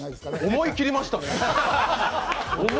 思い切りましたね。